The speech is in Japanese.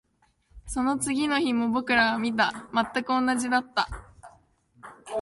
その次の日も僕らは見た。全く同じだった。